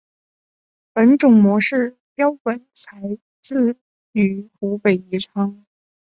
本种模式标本采自于湖北宜昌。